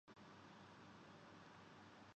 مس Universe کا اعزاز France کے نام